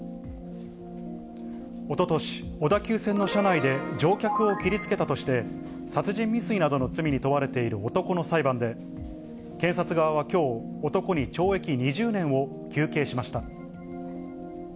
おととし、小田急線の車内で、乗客を切りつけたとして、殺人未遂などの罪に問われている男の裁判で、検察側はきょう、男に懲役２０年を求刑しました。